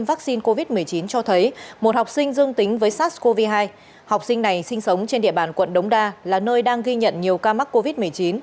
với sars cov hai học sinh này sinh sống trên địa bàn quận đống đa là nơi đang ghi nhận nhiều ca mắc covid một mươi chín